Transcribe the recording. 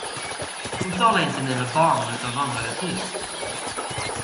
Hon talade inte mer med barnen utan vandrade tyst.